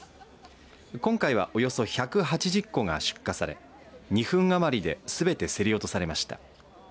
今回はおよそ１８０個が出荷され２分余りですべて競り落とされました。